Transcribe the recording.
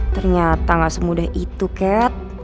ternyata gak semudah itu cat